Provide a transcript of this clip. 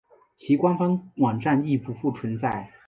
其官方网站亦不复存在。